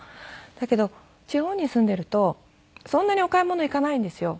だけど地方に住んでいるとそんなにお買い物行かないんですよ。